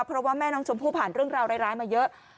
เพราะว่าแม่น้องชมพู่ผ่านเรื่องราวร้ายมาเยอะ